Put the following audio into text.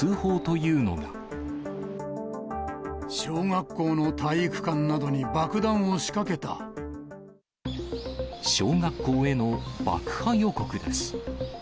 小学校の体育館などに爆弾を小学校への爆破予告です。